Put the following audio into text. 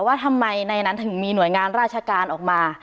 ว่าทำไมในนั้นถึงมีหน่วยงานราชการออกมา